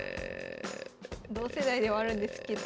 同世代ではあるんですけど。